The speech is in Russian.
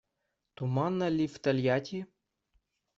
Туманно ли в Тольятти?